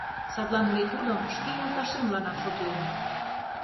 Садлан мый тудым шке йолташемланак шотлем.